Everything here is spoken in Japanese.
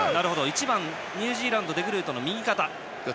１番、ニュージーランドデグルートの右肩が。